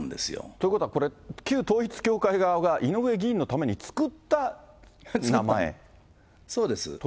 ということはこれ、旧統一教会側が井上議員のために作った名そうです。